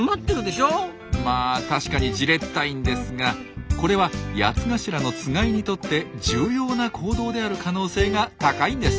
まあ確かにじれったいんですがこれはヤツガシラのつがいにとって重要な行動である可能性が高いんです。